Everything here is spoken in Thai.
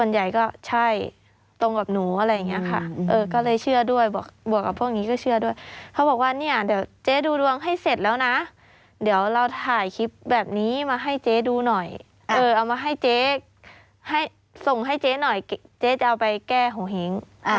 ใหญ่ก็ใช่ตรงกับหนูอะไรอย่างนี้ค่ะก็เลยเชื่อด้วยบวกกับพวกนี้ก็เชื่อด้วยเขาบอกว่าเนี่ยเดี๋ยวเจ๊ดูดวงให้เสร็จแล้วนะเดี๋ยวเราถ่ายคลิปแบบนี้มาให้เจ๊ดูหน่อยเอามาให้เจ๊ให้ส่งให้เจ๊หน่อยเจ๊จะเอาไปแก้หงเห้ง